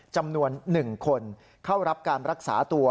จำนวน๑คนเข้ารับการรักษาตัว